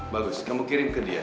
bagus kamu kirim ke dia